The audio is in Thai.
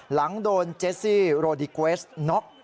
หลังโดนเจสซี่โรดิเกวสน็อก